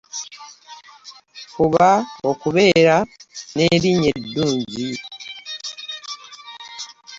Fuba okubeera n’erinnya eddungi.